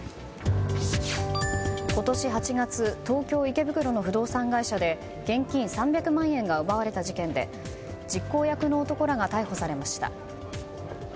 今年８月東京・池袋の不動産会社で現金３００万円が奪われた事件で実行役の男らが逮捕されました。